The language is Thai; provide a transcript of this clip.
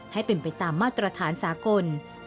ให้เป็นไปตามมาตรฐานสากล